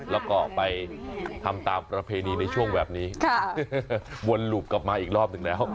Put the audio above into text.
แล้วก็ไปทำตามประเพณีในช่วงแบบนี้วนหลูบกลับมาอีกรอบหนึ่งแล้ว